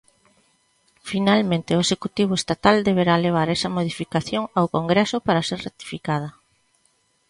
Finalmente, o Executivo estatal deberá levar esa modificación ao Congreso para ser ratificada.